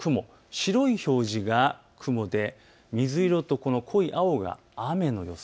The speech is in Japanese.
白い表示が雲で水色と濃いが雨の予想。